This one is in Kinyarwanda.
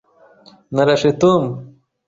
Narashe Tom.